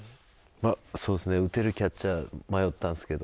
そうですね打てるキャッチャー迷ったんですけど。